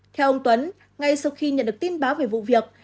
theo ông tuấn ngay sau khi nhận được tin báo về vụ việc